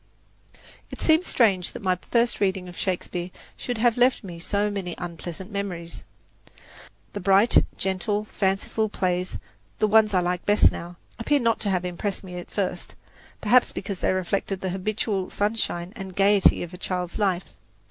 It seems strange that my first reading of Shakespeare should have left me so many unpleasant memories. The bright, gentle, fanciful plays the ones I like best now appear not to have impressed me at first, perhaps because they reflected the habitual sunshine and gaiety of a child's life.